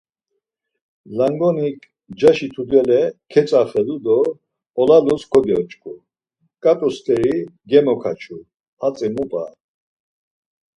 Langonik ncaşi tudele ketzaxedu do olalus kogyoç̌ǩu, ǩat̆u steri gemokaçu, hatzi mu p̌a?